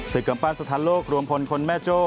กำปั้นสถานโลกรวมพลคนแม่โจ้